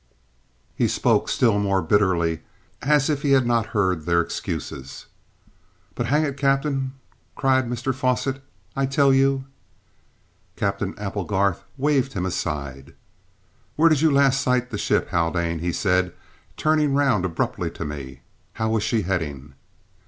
He spoke still more bitterly, as if he had not heard their excuses. "But hang it, cap'en," cried Mr Fosset, "I tell you " Captain Applegarth waved him aside. "Where did you last sight the ship, Haldane?" he said, turning round abruptly to me. "How was she heading?"